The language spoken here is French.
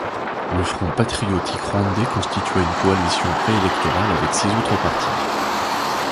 Le Front patriotique rwandais constitua une coalition pré-électorale avec six autres partis.